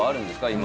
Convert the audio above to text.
今。